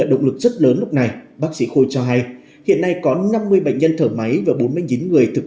động lực rất lớn lúc này bác sĩ khôi cho hay hiện nay có năm mươi bệnh nhân thở máy và bốn mươi chín người thực